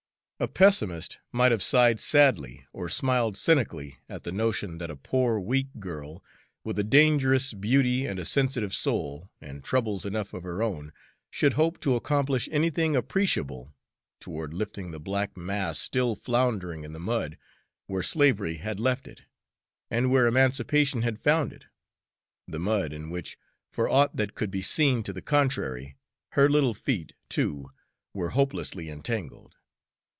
A pessimist might have sighed sadly or smiled cynically at the notion that a poor, weak girl, with a dangerous beauty and a sensitive soul, and troubles enough of her own, should hope to accomplish anything appreciable toward lifting the black mass still floundering in the mud where slavery had left it, and where emancipation had found it, the mud in which, for aught that could be seen to the contrary, her little feet, too, were hopelessly entangled.